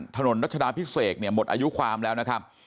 รัชดาพิเศษเนี่ยหมดอายุความแล้วนะครับ